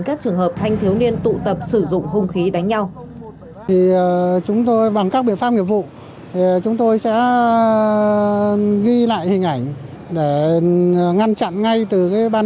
các trường hợp thanh thiếu niên tụ tập sử dụng hung khí đánh nhau